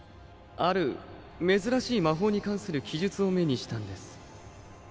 ある珍しい魔法に関する記述を目にしたんです